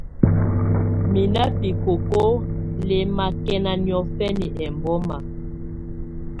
Mɛ́ ná bikókó lɛ́mákɛ́ná niɔ̀fɛ́ná ɛmbɔ́ma.